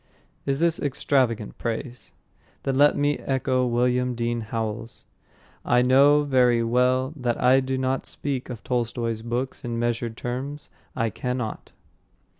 Is this extravagant praise? Then let me echo William Dean Howells: "I know very well that I do not speak of Tolstoy's books in measured terms; I cannot."